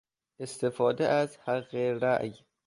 استفاده از حق رای